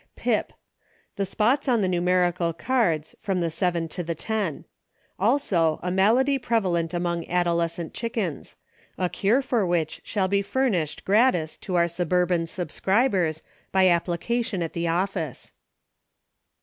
Pip. The spots on the numerical cards, from the seven to the ten. Also, a malady prevalent among adolescent chickens — a cure for which will be furnished, gratis, to our sub urban subscribers, by application at the office.